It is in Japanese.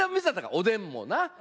おでんもな。